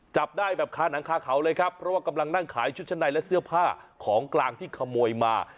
จับได้แบบคาหนังคาเขาเลยครับเพราะว่ากำลังนั่งขายชุดชั้นในและเสื้อผ้าของกลางที่ขโมยมา